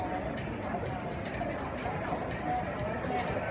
มันเป็นสิ่งที่จะให้ทุกคนรู้สึกว่า